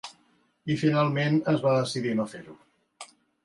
I finalment es va decidir no fer-ho.